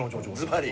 ずばり。